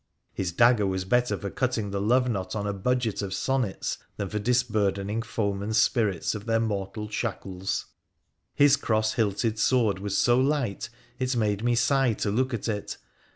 His dagger was better for cutting the love knot on a budget of sonnets PI1RA THE PHCEN1CIAN 165 khan for disburdening foemen's spirits of their mortal shackles. His cross hilted sword was so light it made me sigh to look at it.